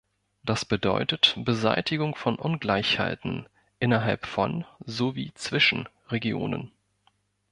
Das bedeutet Beseitigung von Ungleichheiten innerhalb von sowie zwischen Regionen.